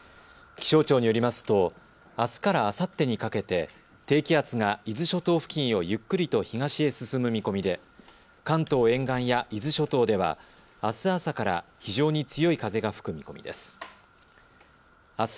気象庁によりますとあすからあさってにかけて低気圧が伊豆諸島付近をゆっくりと東へ進む見込みで関東沿岸や伊豆諸島ではあす朝から非常に強い風が吹く見込みです。